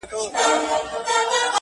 ته چیري تللی یې اشنا او زندګي چیري ده,